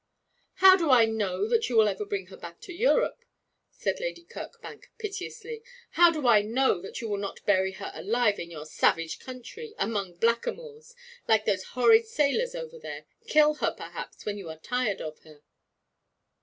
'How do I know that you will ever bring her back to Europe?' said Lady Kirkbank, piteously. 'How do I know that you will not bury her alive in your savage country, among blackamoors, like those horrid sailors, over there kill her, perhaps, when you are tired of her?'